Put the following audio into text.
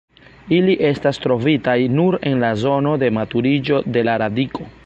Ili estas trovitaj nur en la zono de maturiĝo de la radiko.